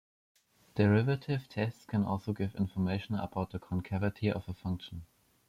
Derivative tests can also give information about the concavity of a function.